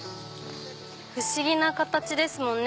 不思議な形ですもんね